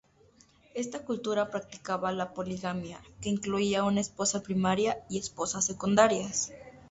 Esta cultura practicaba la poligamia, que incluía una esposa primaria, y esposas secundarias.